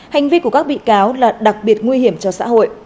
hành vi của các bị cáo là đặc biệt nguy hiểm cho xã hội